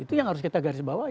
itu yang harus kita garis bawahi